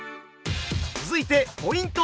続いてポイント